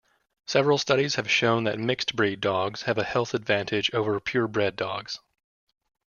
Several studies have shown that mixed-breed dogs have a health advantage over pure-bred dogs.